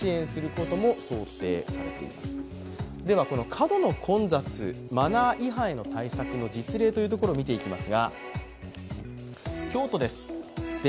過度な混雑、マナー違反への対策の実例というところを見ていきます。